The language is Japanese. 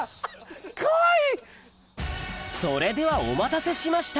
それではお待たせしました